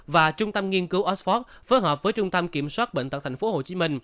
và trung tâm nghiên cứu oxford phối hợp với trung tâm kiểm soát bệnh tật tp hcm